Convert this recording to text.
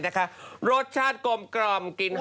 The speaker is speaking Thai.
รสชาติรสชาติกลอมกลิ่น